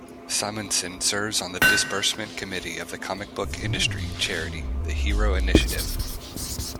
Simonson serves on the Disbursement Committee of the comic-book industry charity The Hero Initiative.